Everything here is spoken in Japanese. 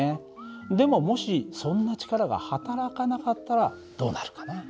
でももしそんな力がはたらかなかったらどうなるかな？